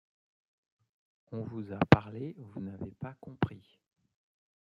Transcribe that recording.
On vous a parlé, vous n’avez pas compris.